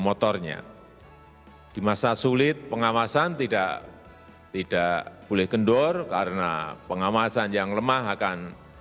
motornya di masa sulit pengawasan tidak tidak boleh kendor karena pengawasan yang lemah akan